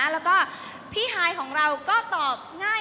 แล้วก็พี่ฮายของเราก็ตอบง่าย